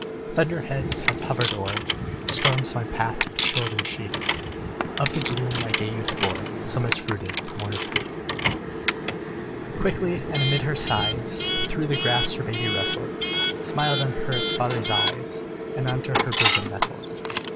Thunder heads have hovered o'er Storms my path have chilled and shaded; Of the bloom my gay youth bore, Some has fruited more has faded." Quickly, and amid her sighs, Through the grass her baby wrestled, Smiled on her its father's eyes, And unto her bosom nestled.